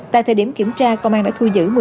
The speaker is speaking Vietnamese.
tại thời điểm kiểm tra công an đã thu giữ